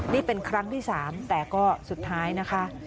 นี่เป็นครั้งที่๓แต่ก็สุดท้ายนะคะ